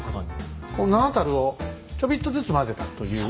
この７たるをちょびっとずつ混ぜたという。